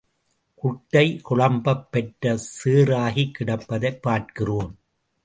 குட்டை குழப்பப் பெற்றுச் சேறாகிக் கிடப்பதைப் பார்க்கிறோம்.